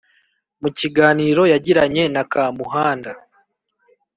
mukiganiro yagiranye na kamuhanda